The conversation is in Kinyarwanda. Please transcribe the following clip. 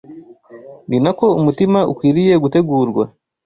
ni na ko umutima ukwiriye gutegurwa